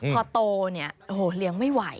พอโตเนี่ยโอ้โหเลี้ยงไม่ไหว